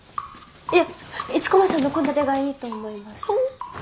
いや一駒さんの献立がいいと思います。